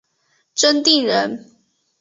真定人。